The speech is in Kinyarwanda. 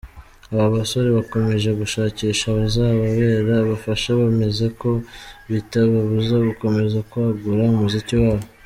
Aba basore bakomeje gushakisha abazababera abafasha, bemeza ko bitababuza gukomeza kwagura umuziki wabo.